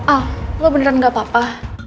ah lo beneran gak apa apa